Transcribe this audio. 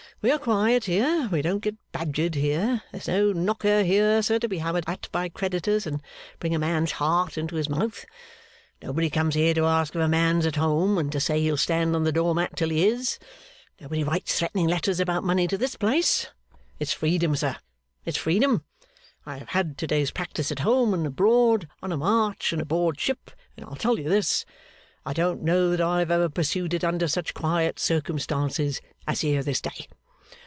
We are quiet here; we don't get badgered here; there's no knocker here, sir, to be hammered at by creditors and bring a man's heart into his mouth. Nobody comes here to ask if a man's at home, and to say he'll stand on the door mat till he is. Nobody writes threatening letters about money to this place. It's freedom, sir, it's freedom! I have had to day's practice at home and abroad, on a march, and aboard ship, and I'll tell you this: I don't know that I have ever pursued it under such quiet circumstances as here this day.